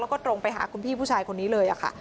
แล้วก็ตรงไปหาคุณพี่ผู้ชายคนนี้เลยค่ะ